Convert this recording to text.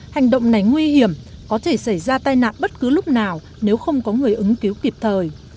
hành động này nguy hiểm có thể xảy ra tai nạn bất cứ lúc nào nếu không có người ứng cứu kịp thời